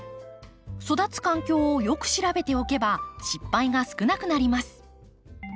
育つ環境をよく調べておけば失敗が少なくなります。